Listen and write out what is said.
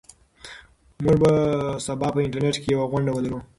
موږ به سبا په انټرنيټ کې یوه غونډه ولرو.